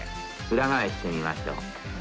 裏返してみましょう。